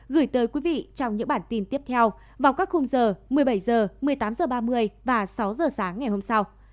gửi tới quý vị trong những bản tin tiếp theo vào các khung giờ một mươi bảy h một mươi tám h ba mươi và sáu h sáng ngày hôm sau